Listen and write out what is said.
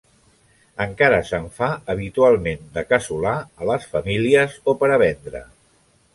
Encara se'n fa habitualment, de casolà, a les famílies o per a vendre.